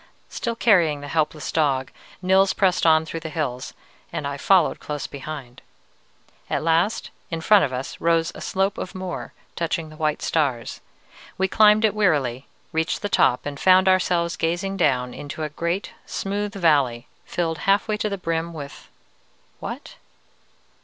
Still carrying the helpless dog, Nils pressed on through the hills, and I followed close behind. At last, in front of us, rose a slope of moor touching the white stars. We climbed it wearily, reached the top, and found ourselves gazing down into a great, smooth valley, filled half way to the brim with what?